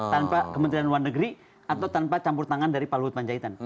tanpa kementerian luar negeri atau tanpa campur tangan dari pak luhut panjaitan